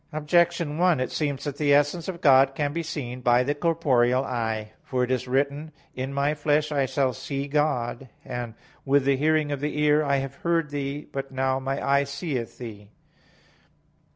Objection 1: It seems that the essence of God can be seen by the corporeal eye. For it is written (Job 19:26): "In my flesh I shall see ... God," and (Job 42:5), "With the hearing of the ear I have heard Thee, but now my eye seeth Thee."